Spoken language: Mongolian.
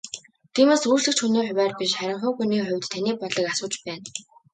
Тиймээс үйлчлэгч хүний хувиар биш харин хувь хүний хувьд таны бодлыг асууж байна.